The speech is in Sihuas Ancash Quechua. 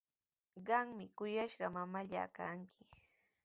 Qami kuyashqa mamallaa kanki.